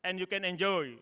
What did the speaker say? dan anda juga bisa menikmati